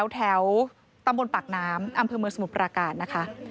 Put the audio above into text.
แถวตำบลปากน้ำอำเภอเมืองสมุทรปราการนะคะ